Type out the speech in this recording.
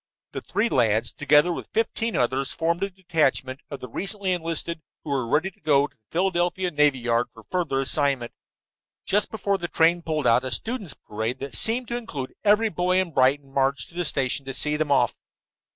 The three lads, together with fifteen others, formed a detachment of the recently enlisted who were to go to the Philadelphia Navy Yard for further assignment. Just before the train pulled out a students' parade that seemed to include every boy in Brighton marched to the station to see them off.